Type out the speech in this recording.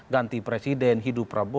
ganti presiden hidup prabowo